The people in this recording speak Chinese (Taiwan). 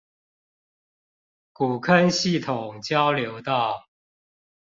古坑系統交流道